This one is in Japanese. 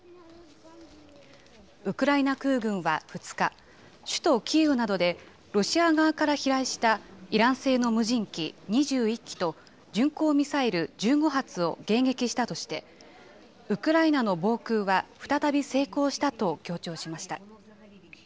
ウクライナ空軍は２日、首都キーウなどで、ロシア側から飛来したイラン製の無人機２１機と、巡航ミサイル１５発を迎撃したとして、ウクライナの防空は再び成功したと強調しました。